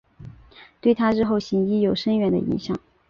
对她日后行医有深远的影响。